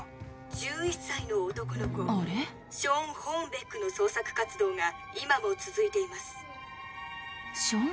１１歳の男の子ショーン・ホーンベックの捜索活動が今も続いています。